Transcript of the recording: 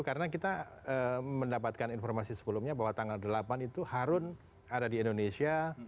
karena kita mendapatkan informasi sebelumnya bahwa tanggal delapan itu harun ada di indonesia